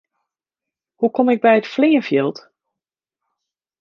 Hoe kom ik by it fleanfjild?